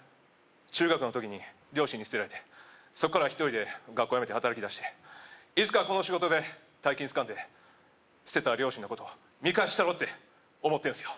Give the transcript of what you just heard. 中学の時に両親に捨てられてそっからは１人で学校やめて働きだしていつかこの仕事で大金つかんで捨てた両親のこと見返したろうって思ってんすよ